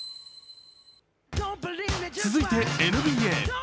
続いてＮＢＡ。